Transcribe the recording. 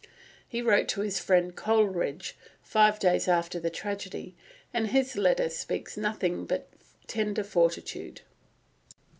He wrote to his friend Coleridge five days after the tragedy, and his letter speaks nothing but tender fortitude.